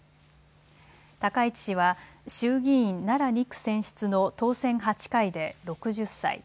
高市氏は衆議院奈良２区選出の当選８回で６０歳。